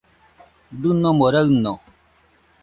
Dɨnomo raɨno